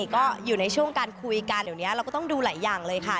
ก็อยู่ในช่วงการคุยกันเดี๋ยวนี้เราก็ต้องดูหลายอย่างเลยค่ะ